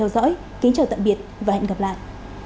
xin chào tạm biệt và hẹn gặp lại